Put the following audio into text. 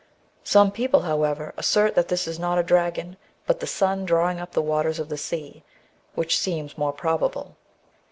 Some people, however, assert that this is not a dragon, but the sun drawing up the waters of the sea ; which seems more probable."